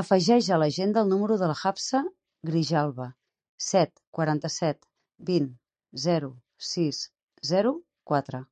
Afegeix a l'agenda el número de la Hafsa Grijalba: set, quaranta-set, vint, zero, sis, zero, quatre.